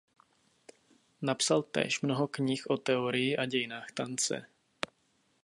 Napsal též mnoho knih o teorii a dějinách tance.